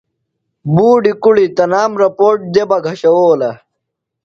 بوڈیۡ کُڑی تنام رپوٹ دےۡ بہ گھشوؤلہ۔